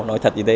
nói thật như thế